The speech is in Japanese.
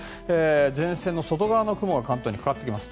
前線の外側の雲が関東にかかってきます。